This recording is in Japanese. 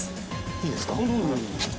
いいですか？